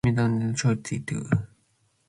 Midapadën chotiad